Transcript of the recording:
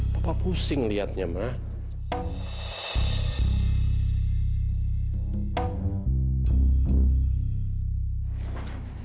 papa pusing liatnya mak